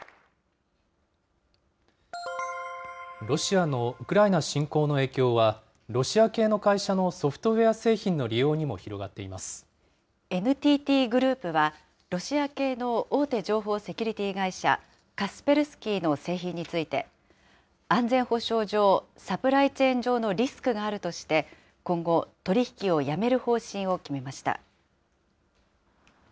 ロシアのウクライナ侵攻の影響は、ロシア系の会社のソフトウエア製品の利用にも広がっていまＮＴＴグループは、ロシア系の大手情報セキュリティー会社、カスペルスキーの製品について、安全保障上、サプライチェーン上のリスクがあるとして、今後、取り引きをやめる方針を決めました。